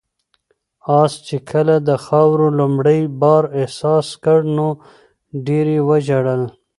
آس چې کله د خاورو لومړی بار احساس کړ نو ډېر یې وژړل.